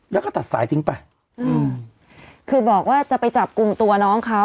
แล้วก็ตัดสายทิ้งไปอืมคือบอกว่าจะไปจับกลุ่มตัวน้องเขา